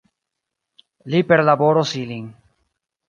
Li perlaboros ilin.